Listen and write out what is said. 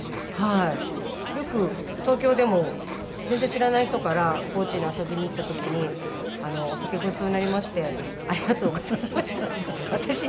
よく東京でも全然知らない人から「高知に遊びに行った時にお酒ごちそうになりましてありがとうございました」って私にお礼言われて。